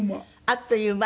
あっという間？